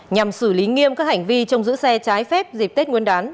nhằm xử lý nghiêm các hành vi trong giữ xe trái phép dịp tết nguyên đán